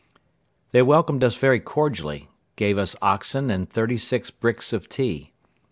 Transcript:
They welcomed us very cordially, gave us oxen and thirty six bricks of tea.